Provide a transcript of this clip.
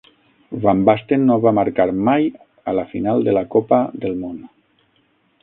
Van Basten no va marcar mai a la final de la Copa del Món.